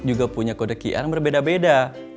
juga punya kode qr yang berbeda beda